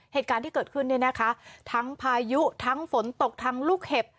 เหตุการณ์ที่เกิดขึ้นเนี่ยนะคะทั้งพายุทั้งฝนตกทั้งลูกเห็บ